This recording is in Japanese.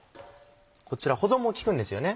こちら保存も利くんですよね。